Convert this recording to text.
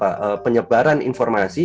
untuk menyebabkan penyebaran informasi